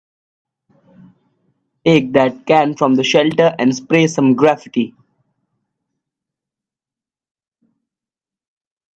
Take that can from the shelter and spray some graffiti.